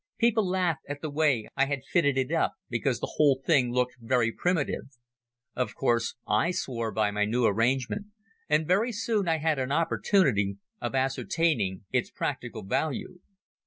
People laughed at the way I had fitted it up because the whole thing looked very primitive. Of course I swore by my new arrangement and very soon I had an opportunity of ascertaining its practical value.